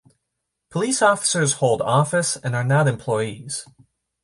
Police officers hold office and are not employees.